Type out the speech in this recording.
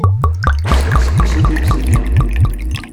Tesneqsemt-as i tmes-nni.